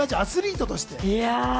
同じアスリートとして。